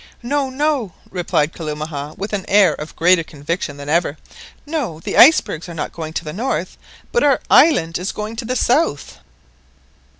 "No, no!" replied Kalumah, with an air of greater conviction than ever, "no, the icebergs are not going to the north, but our island is going to the south!"